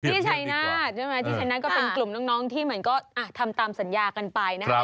ที่ชัยนาธิ์ใช่ไหมที่ชัยนาธก็เป็นกลุ่มน้องที่เหมือนก็ทำตามสัญญากันไปนะครับ